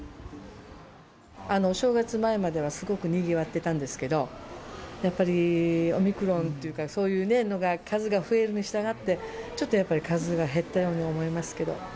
お正月前まではすごくにぎわってたんですけど、やっぱりオミクロンというか、そういうのが、数が増えるにしたがって、ちょっとやっぱり、数が減ったように思いますけど。